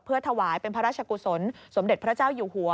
ถวายเป็นพระราชกุศลสมเด็จพระเจ้าอยู่หัว